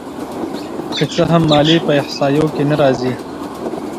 که څه هم ماليې په احصایو کې نه راځي